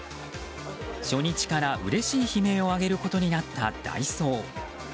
初日からうれしい悲鳴を上げることになったダイソー。